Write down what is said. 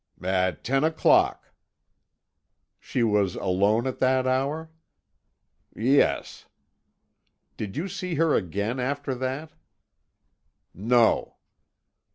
"At ten o'clock." "She was alone at that hour?" "Yes." "Did you see her again after that?" "No."